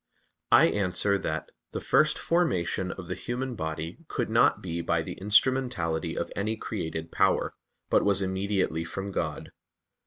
I answer that, The first formation of the human body could not be by the instrumentality of any created power, but was immediately from God.